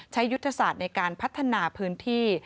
ยุทธศาสตร์ในการพัฒนาพื้นที่